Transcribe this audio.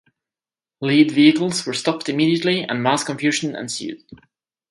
Lead vehicles were stopped immediately and mass confusion ensued.